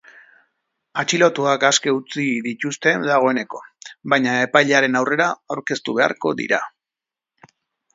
Atxilotuak aske utzi dituzte dagoeneko baina epailearen aurrera aurkeztu beharko dira.